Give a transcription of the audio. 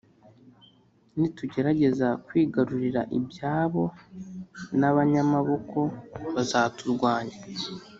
Nitugerageza kwigarurira ibyabo n’abanyamaboko bazturwanya